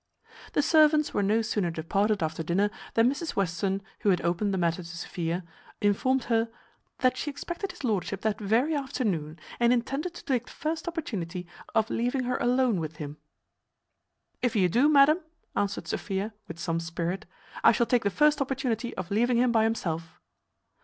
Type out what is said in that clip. The servants were no sooner departed after dinner than Mrs Western, who had opened the matter to Sophia, informed her, "That she expected his lordship that very afternoon, and intended to take the first opportunity of leaving her alone with him." "If you do, madam," answered Sophia, with some spirit, "I shall take the first opportunity of leaving him by himself."